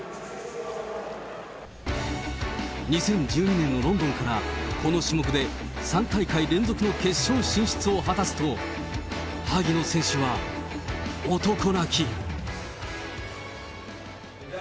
２０１２年のロンドンから、この種目で３大会連続の決勝進出を果たすと、萩野選手は男泣き。